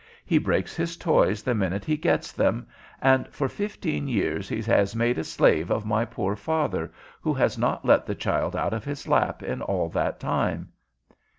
He breaks his toys the minute he gets them, and for fifteen years he has made a slave of my poor father, who has not let the child out of his lap in all that time."